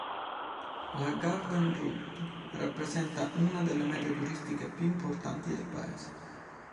La Garden Route rappresenta una delle mete turistiche più importanti del paese.